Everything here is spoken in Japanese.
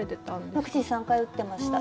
ワクチン３回打っていました